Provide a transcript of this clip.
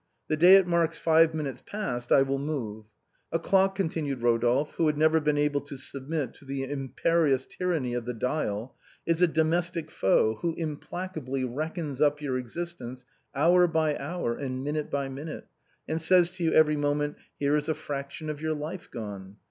The day it marks five minutes past I will move. A clock," continued Eo dolphe, who had never been able to submit to the im perious tyranny of the dial, " is a domestic foe who im placably reckons up your existence hour by hour and minute by minute, and says to you every moment, ' Here is a fraction of your life gone.'